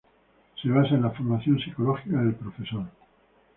Se basa en la formación psicológica del profesor.